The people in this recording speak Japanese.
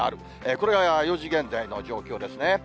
これが４時現在の状況ですね。